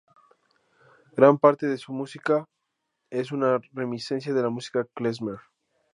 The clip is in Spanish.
Gran parte de su música es una reminiscencia de la música klezmer.